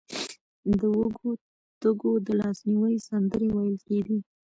د وږو تږو د لاسنیوي سندرې ویل کېدې.